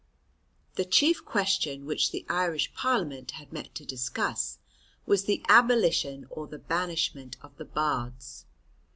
The chief question which the Irish parliament had met to discuss, was the abolition or the banishment of the Bards.